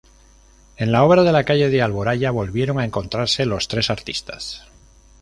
En la obra de la calle de Alboraya volvieron a encontrarse los tres artistas.